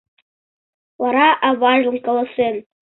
Вара аважлан каласен.